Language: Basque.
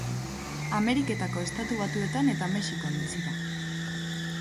Ameriketako Estatu Batuetan eta Mexikon bizi dira.